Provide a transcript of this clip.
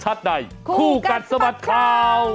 สุขุกัสสมัดข่าวน์สุขุกัสสมัดข่าว